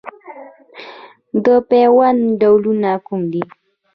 د پیوند ډولونه کوم دي؟